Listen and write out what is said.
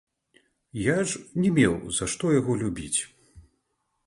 Я ж не меў за што яго любіць.